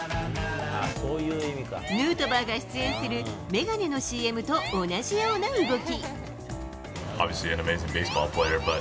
ヌートバーが出演する、眼鏡のＣＭと同じような動き。